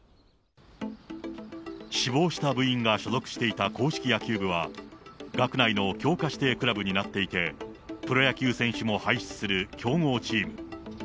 死亡した部員が所属していた硬式野球部は、学内の強化指定クラブになっていて、プロ野球選手も輩出する強豪チーム。